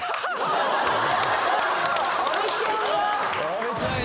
阿部ちゃんが？